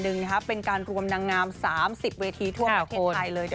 มันก็แค่แบบสะอึกบ้างแค่นั้นเอง